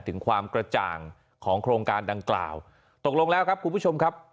ถึงความกระจ่างของโครงการดังกล่าวตกลงแล้วครับคุณผู้ชมครับ